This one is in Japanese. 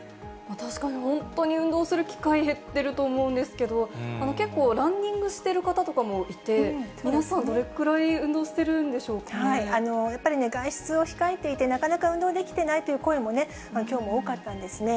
確かに本当に運動する機会減ってると思うんですけど、結構、ランニングしてる方とかもいて、皆さんどれくらい運動してるんでやっぱりね、外出を控えていて、なかなか運動できてないという声もね、きょうも多かったんですね。